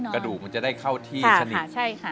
กระดูกมันจะได้เข้าที่สนิท